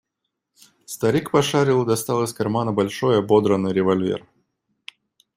Старик пошарил и достал из кармана большой ободранный револьвер.